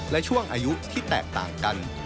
และช่วงอายุที่แตกต่างกัน